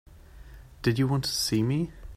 Did you want to see me?